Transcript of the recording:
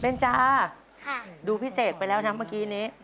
เบนจาดูพิเศษไปแล้วนะเมื่อกี้นี้